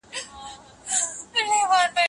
که ابن خلدون نه وای، د تاريخ فلسفه به نه وه.